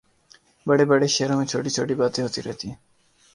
بڑے بڑے شہروں میں چھوٹی چھوٹی باتیں ہوتی رہتی ہیں